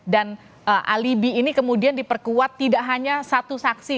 dan alibi ini kemudian diperkuat tidak hanya satu saksi